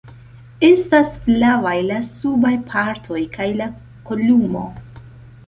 Estas flavaj la subaj partoj kaj la kolumo.